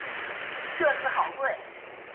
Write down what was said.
霍尔特加斯特是德国下萨克森州的一个市镇。